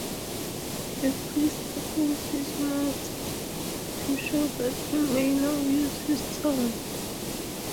A priest opens his mouth to show that he may now use his tongue.